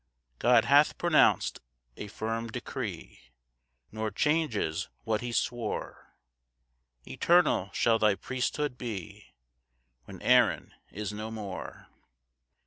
3 God hath pronounc'd a firm decree, Nor changes what he swore; "Eternal shall thy priesthood be, "When Aaron is no more.